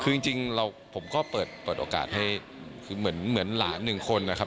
คือจริงผมก็เปิดโอกาสให้คือเหมือนหลานหนึ่งคนนะครับ